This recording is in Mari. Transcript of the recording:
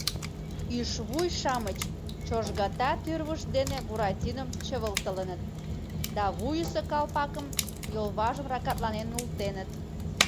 Ӱшвуй-шамыч чожгата тӱрвышт дене Буратином чывылтылыныт да вуйысо калпакым йолважым ракатланен нултеныт.